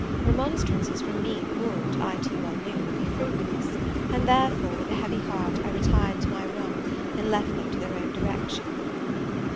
Remonstrances from me would, I too well knew, be fruitless; and therefore, with a heavy heart, I retired to my room, and left them to their own direction.